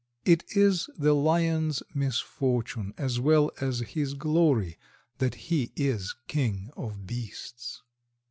It is the Lion's misfortune as well as his glory that he is king of beasts.